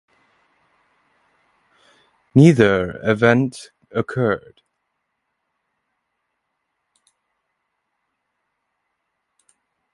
Neither event occurred.